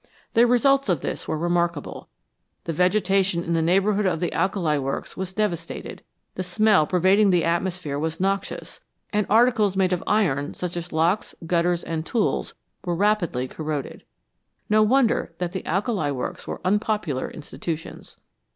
The results of this were remarkable ; the vegetation in the neighbourhood of the alkali works was devastated ; the smell pervading the atmosphere was noxious, and articles made of iron, such as locks, gutters, and tools, were rapidly corroded. No wonder that the alkali works were unpopular institutions.